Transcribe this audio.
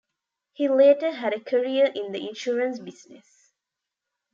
He later had a career in the insurance business.